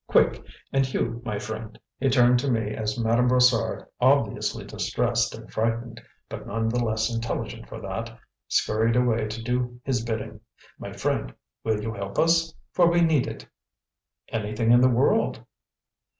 Quick! And you, my friend" he turned to me as Madame Brossard, obviously distressed and frightened, but none the less intelligent for that, skurried away to do his bidding "my friend, will you help us? For we need it!" "Anything in the world!"